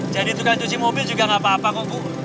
jadi tukang cuci mobil juga enggak apa apa kok bu